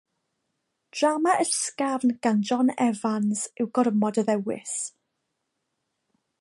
Drama ysgafn gan John Evans yw Gormod o Ddewis.